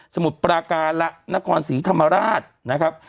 มุดปราการและนครศรีธรรมราชนะครับ